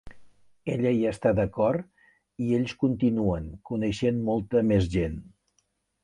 Ella hi està d'acord i ells continuen, coneixent molta més gent.